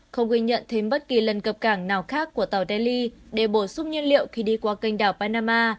không ghi nhận thêm bất kỳ lần cập cảng nào khác của tàu delhi để bổ sung nhiên liệu khi đi qua kênh đảo panama